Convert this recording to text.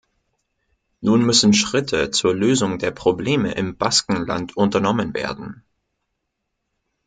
Nun müssen Schritte zur Lösung der Probleme im Baskenland unternommen werden.